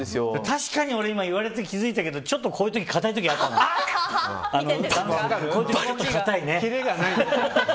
確かに俺今言われて気づいたけどちょっと硬い時あったね。